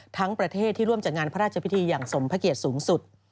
ประเทศที่ร่วมจัดงานพระราชพิธีอย่างสมพระเกียรติสูงสุด